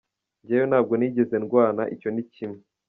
Njyewe nabwo nigeze ndwana icyo ni kimwe.